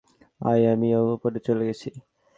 অ্যাই, আমি ওপরে চলে গেছি।